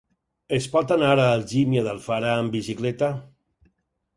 Es pot anar a Algímia d'Alfara amb bicicleta?